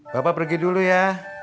bapak pergi dulu ya